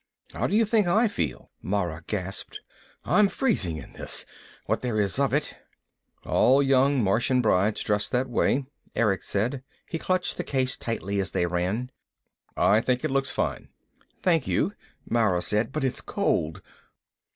"How do you think I feel?" Mara gasped. "I'm freezing in this, what there is of it." "All young Martian brides dress that way," Erick said. He clutched the case tightly as they ran. "I think it looks fine." "Thank you," Mara said, "but it is cold."